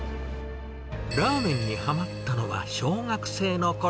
ラーメンにはまったのは小学生のころ。